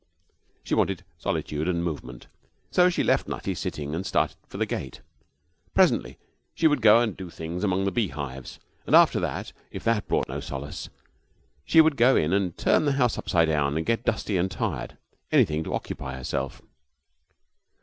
She wanted solitude and movement, so she left Nutty sitting and started for the gate. Presently she would go and do things among the beehives; and after that, if that brought no solace, she would go in and turn the house upside down and get dusty and tired. Anything to occupy herself.